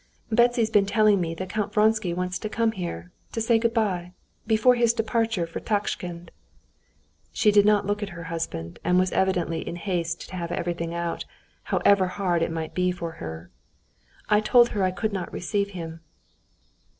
"Betsy's been telling me that Count Vronsky wants to come here to say good bye before his departure for Tashkend." She did not look at her husband, and was evidently in haste to have everything out, however hard it might be for her. "I told her I could not receive him."